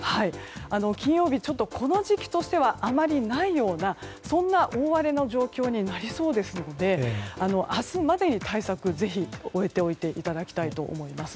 金曜日は、この時期としてはあまりないようなそんな大荒れの状況になりそうですので明日までに対策をぜひ終えておいていただきたいと思います。